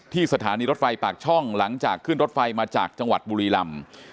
สถานีรถไฟปากช่องหลังจากขึ้นรถไฟมาจากจังหวัดบุรีลำ